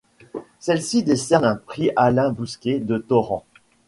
Celle-ci décerne un prix Alain Bosquet de Thoran.